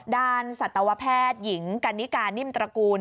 ด้านสัตวแพทย์หญิงกรรณิการนิ่มตระกูล